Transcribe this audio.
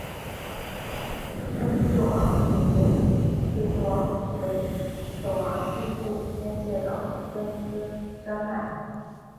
芬兹走廊取名自作为走廊西部边界的芬兹山脉。